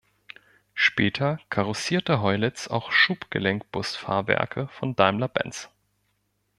Später karossierte Heuliez auch Schubgelenkbus-Fahrwerke von Daimler-Benz.